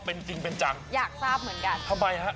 คุณอโนไทจูจังขอแสดงความจริงกับผู้ที่ได้รับรางวัลครับ